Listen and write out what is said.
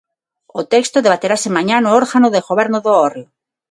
O texto debaterase mañá no órgano de goberno do Hórreo.